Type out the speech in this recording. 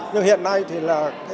nhưng hiện nay thì là